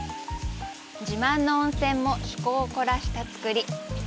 自慢の温泉も趣向を凝らした作り。